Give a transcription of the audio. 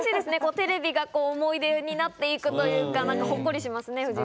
テレビが思い出になっていくというかほっこりしますね。